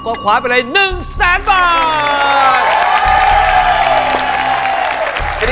ก็คว้าไปเลย๑๐๐๐๐๐บาท